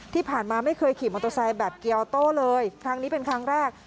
ที่ผ่านมาไม่เคยขี่มอเตอร์ไซค์แบบเกียวโต้เลยครั้งนี้เป็นครั้งแรก